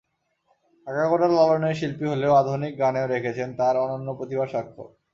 আগাগোড়া লালনের শিল্পী হলেও আধুনিক গানেও রেখেছেন তার অনন্য প্রতিভার স্বাক্ষর।